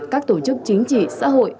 các tổ chức chính trị xã hội